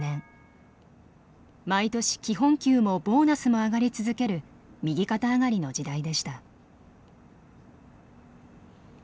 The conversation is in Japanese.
毎年基本給もボーナスも上がり続ける右肩上がりの時代でした。